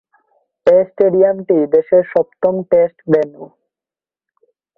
এ স্টেডিয়ামটি দেশের সপ্তম টেস্ট ভেন্যু।